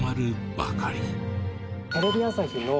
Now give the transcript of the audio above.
テレビ朝日の。